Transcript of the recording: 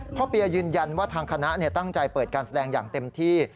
เปียยืนยันว่าทางคณะตั้งใจเปิดการแสดงอย่างเต็มที่